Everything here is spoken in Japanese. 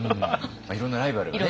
いろんなライバルがね